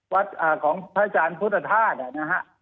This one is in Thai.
ของพระอาจารย์พุทธธาตุนะฮะ